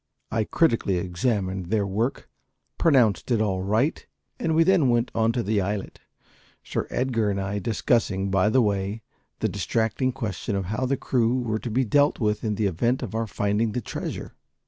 I critically examined their work, pronounced it all right, and we then went on to the islet, Sir Edgar and I discussing by the way the distracting question of how the crew were to be dealt with in the event of our finding the treasure.